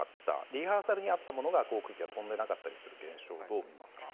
リハーサルにあったものが航空機は飛んでいなかった現象をどうみますか。